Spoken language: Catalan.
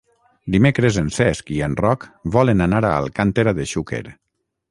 Dimecres en Cesc i en Roc volen anar a Alcàntera de Xúquer.